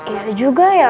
iya juga ya